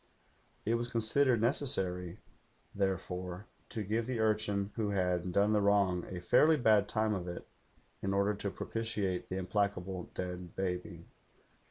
It was considered necessary, therefore, to give the urchin who had done the wrong a fairly bad time of it in order to propitiate the implacable dead baby.